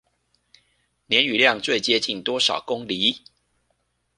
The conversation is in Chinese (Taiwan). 年雨量最接近多少公釐？